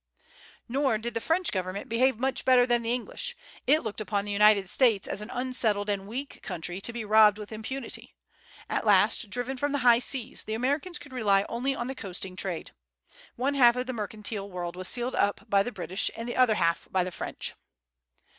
Nor did the French government behave much better than the English. It looked upon the United States as an unsettled and weak country, to be robbed with impunity. At last, driven from the high seas, the Americans could rely only on the coasting trade. "One half the mercantile world was sealed up by the British, and the other half by the French."